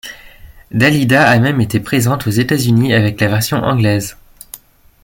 Dalida a même été présente aux États-Unis avec la version anglaise.